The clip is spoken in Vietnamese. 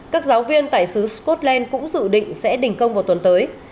các giáo viên tại xứ scotland cũng dự định sẽ đình công vào tuần tới